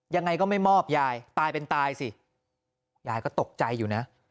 ยังไงก็ไม่มอบยายตายเป็นตายสิยายก็ตกใจอยู่นะ